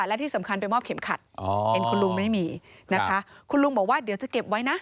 และที่สำคัญไปมอบเข็มขัดเห็นคุณลุงไม่มีนะคะคุณลุงบอกว่าเดี๋ยวจะเก็บไว้นะ